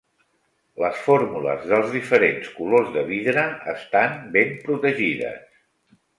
Les fórmules dels diferents colors de vidre estan ben protegides.